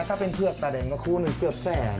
ถ้าเป็นเผือกตาแดงก็คู่หนึ่งเกือบแสน